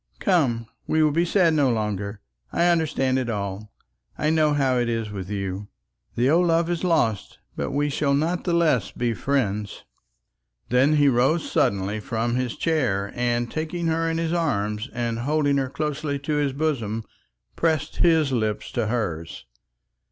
"Come, we will be sad no longer. I understand it all. I know how it is with you. The old love is lost, but we will not the less be friends." Then he rose suddenly from his chair, and taking her in his arms, and holding her closely to his bosom, pressed his lips to hers.